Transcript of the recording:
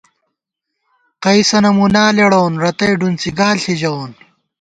قَئیسَنہ مُنا لېڑَوون رتئ ڈُنڅی گال ݪی ژَوون